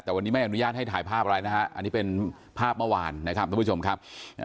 แต่วันนี้ไม่อนุญาตให้ถ่ายภาพอะไรนะฮะอันนี้เป็นภาพเมื่อวานนะครับทุกผู้ชมครับ